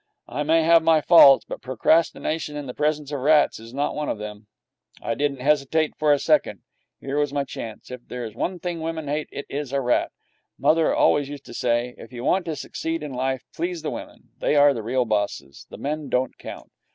I may have my faults, but procrastination in the presence of rats is not one of them. I didn't hesitate for a second. Here was my chance. If there is one thing women hate, it is a rat. Mother always used to say, 'If you want to succeed in life, please the women. They are the real bosses. The men don't count.'